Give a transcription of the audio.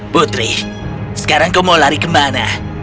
putri sekarang kau mau lari ke mana